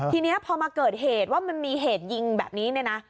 ทีนี้พอมาเกิดเหตุว่ามันมีเหตุยิงแบบนี้เนี่ยนะ